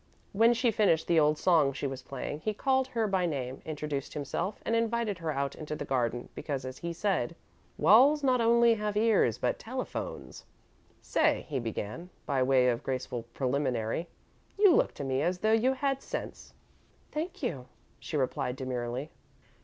When she finished the old song she was playing, he called her by name, introduced himself, and invited her out into the garden, because, as he said, "walls not only have ears, but telephones." "Say," he began, by way of graceful preliminary, "you look to me as though you had sense." "Thank you," she replied, demurely.